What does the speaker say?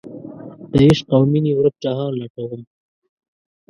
دعشق اومینې ورک جهان لټوم